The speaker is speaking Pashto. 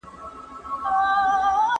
ولي طنز او ټوکې ذهني فشار په چټکۍ راکموي؟